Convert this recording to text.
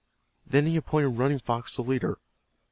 Then he appointed Running Fox the leader.